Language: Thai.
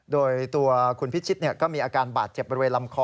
โดยตัวคุณพิชิตก็มีอาการบาดเจ็บบริเวณลำคอ